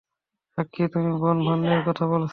সাক্ষী, তুমি বোন ভান্নোর কথা বলছ।